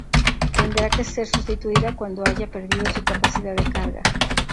Tendrá que ser sustituida cuando haya perdido su capacidad de carga.